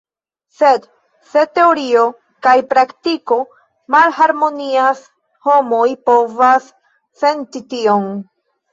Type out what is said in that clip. Sed se teorio kaj praktiko malharmonias, homoj povas senti tion.